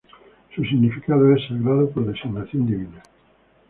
Su significado es "sagrado por designación divina".